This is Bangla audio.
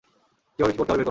কীভাবে কী করতে হবে বের করো।